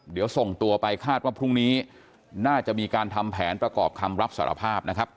เดี๋ยวส่งตัวไปคาดว่าพรุ่งนี้น่าจะมีการทำแผนประกอบคำรับสารภาพนะครับ